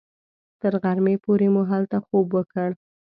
تر غرمې پورې مو هلته خوب وکړ.